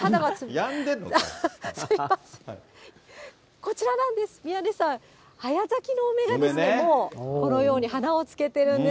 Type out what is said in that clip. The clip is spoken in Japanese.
こちらなんです、宮根さん、早咲きの梅なんですけど、もうこのように花をつけてるんです。